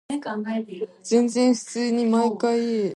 Тиен агач башында утыра.